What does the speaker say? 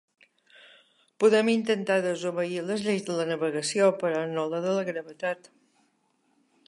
Podem intentar desobeir les lleis de la navegació però no la de la gravetat.